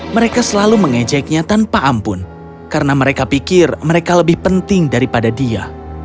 mereka selalu mengejeknya tanpa ampun karena mereka pikir mereka lebih penting daripada dia